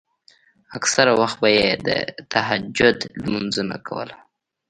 اکثره وخت به يې د تهجد لمونځونه کول.